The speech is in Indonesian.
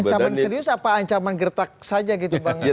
bagi anda ini ancaman serius apa ancaman gertak saja gitu bang